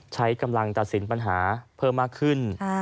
ใช้กำลังตัดสินปัญหาเพิ่มมากขึ้น